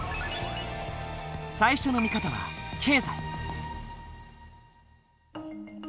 最初の見方は経済。